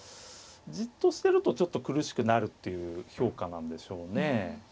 じっとしてるとちょっと苦しくなるっていう評価なんでしょうね。